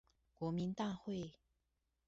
國民大會